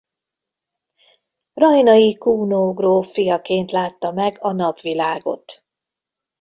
Rajnai Kuno gróf fiaként látta meg a napvilágot.